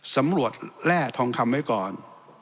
สำรวจแร่ทองคำไว้ก่อน